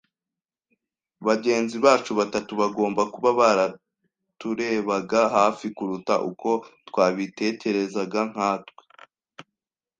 Bagenzi bacu batatu bagomba kuba baraturebaga hafi kuruta uko twabitekerezaga, nkatwe